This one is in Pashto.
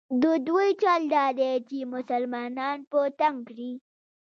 د دوی چل دا دی چې مسلمانان په تنګ کړي.